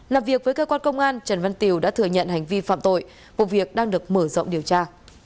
làm việc với cơ quan công an trần văn tiều đã thừa nhận hành vi phạm tội vụ việc đang được mở rộng điều tra